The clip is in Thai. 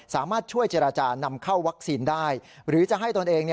สามารถช่วยเจรจานำเข้าวัคซีนได้หรือจะให้ตนเอง